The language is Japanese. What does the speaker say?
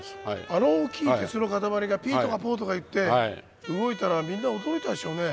あの大きい鉄の塊がピとかポとかいって動いたらみんな驚いたでしょうね。